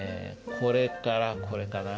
これからこれかな。